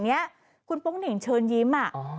นี้คุณปกนิ่งเฉินยิ้มออ้อ